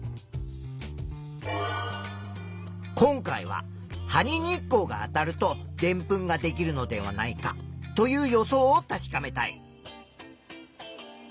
今回は「葉に日光があたるとでんぷんができるのではないか」という予想を確かめたい。